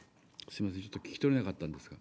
すみません、ちょっと聞き取れなかったんですが。